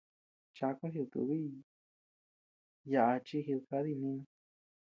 Chaku jitubiy yaʼaa chi jidikadiy nínu.